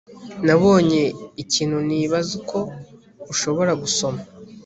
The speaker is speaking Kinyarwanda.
Nabonye ikintu nibaza ko ushobora gusoma